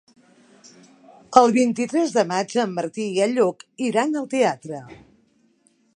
El vint-i-tres de maig en Martí i en Lluc iran al teatre.